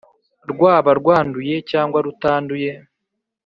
rwaba rwanduye cyangwa rutanduye.